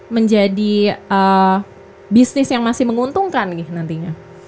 menjadi bisnis yang masih menguntungkan nih nantinya